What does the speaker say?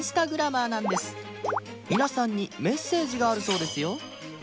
皆さんにメッセージがあるそうですよ